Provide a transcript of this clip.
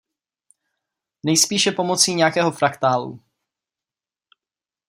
Nejspíše pomocí nějakého fraktálu.